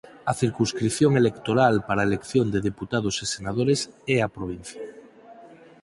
A circunscrición electoral para a elección de deputados e senadores é a provincia.